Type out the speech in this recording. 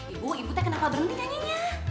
ibu ibu teh kenapa berhenti nyanyinya